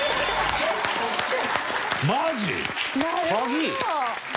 マジ！？